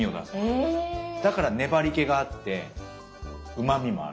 えぇ⁉だから粘り気があってうまみもある。